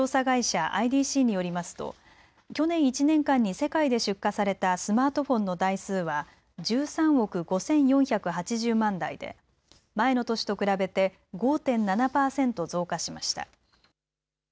会社ＩＤＣによりますと去年１年間に世界で出荷されたスマートフォンの台数は１３億５４８０万台で前の年と比べて、５．７％増加しました。